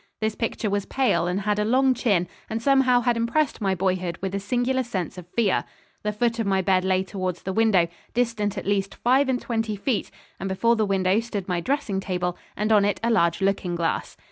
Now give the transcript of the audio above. This picture was pale, and had a long chin, and somehow had impressed my boyhood with a singular sense of fear. The foot of my bed lay towards the window, distant at least five and twenty feet; and before the window stood my dressing table, and on it a large looking glass.